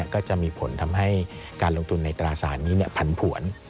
ก็จะมีผลทำให้การลงทุนในตราสารนี้ผันผวน